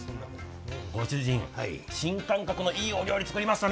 ご主人、新感覚のいいお料理作りましたね。